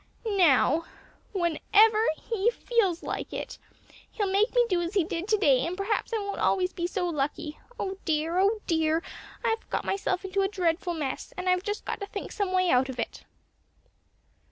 Now whenever he feels like it, he'll make me do as he did to day and perhaps I won't always be so lucky. Oh, dear; oh, dear; I've got myself into a dreadful mess, and I've just got to think of some way out of it."